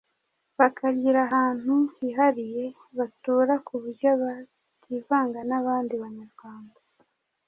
bakagira ahantu hihariye batura ku buryo bativanga n'abandi Banyarwanda.